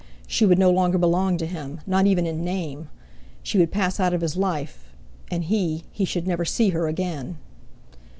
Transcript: She would no longer belong to him, not even in name! She would pass out of his life, and he—he should never see her again!